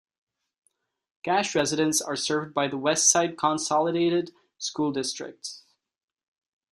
Cash residents are served by the Westside Consolidated School District.